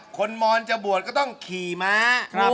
มอนจะบวชก็ต้องขี่ม้า